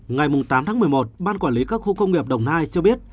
ngày tám tháng một mươi một ban quản lý các khu công nghiệp đồng nai cho biết